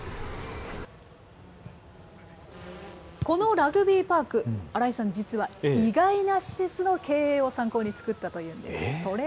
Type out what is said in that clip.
このラグビーパーク、新井さん、実は意外な施設の経営を参考に作ったというんです。